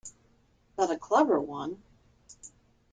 But a clever one.